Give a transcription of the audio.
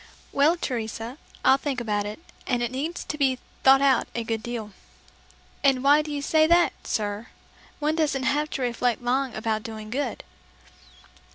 "Well, Teresa, I'll think about it, and it needs to be 'thought about' a good deal." "And why do you say that, sir? One doesn't have to reflect long about doing good."